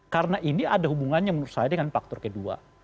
karena ini ada hubungannya menurut saya dengan faktor kedua